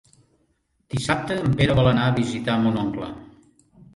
Dissabte en Pere vol anar a visitar mon oncle.